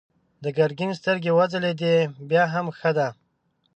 د ګرګين سترګې وځلېدې: بيا هم ښه ده.